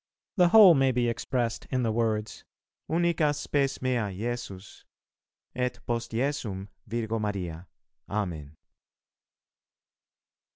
The whole may be expressed in the words, "Unica spes mea Jesus, et post Jesum Virgo Maria. Amen."